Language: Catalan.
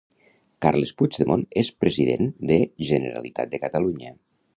Carles Puigdemont és President de Generalitat de Catalunya